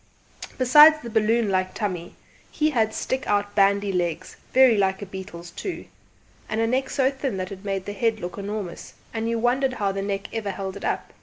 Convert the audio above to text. Besides the balloon like tummy he had stick out bandy legs, very like a beetle's too, and a neck so thin that it made the head look enormous, and you wondered how the neck ever held it up.